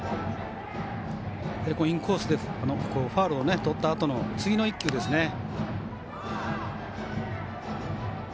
インコースでファウルをとったあとの次の１球ですね。